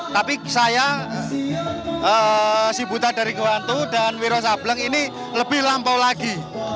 tapi saya si buta dari goantu dan wiro sableng ini lebih lampau lagi